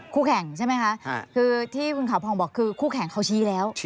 คู่แข่งใช่ไหมคะคือที่คุณขาวผ่องบอกคือคู่แข่งเขาชี้แล้ว